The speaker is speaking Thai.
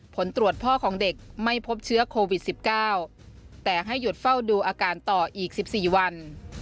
ผลตรวจพ่อของเด็กไม่พบเชื้อโควิด๑๙แต่ให้หยุดเฝ้าดูอาการต่ออีก๑๔วัน